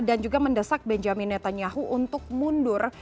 dan juga mendesak benjamin netanyahu untuk mundur